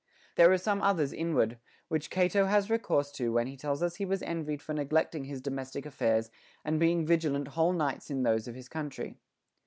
There are some others inward, which Cato has re course to when he tells us he was envied for neglecting his domestic affairs and being vigilant whole nights in those of his country.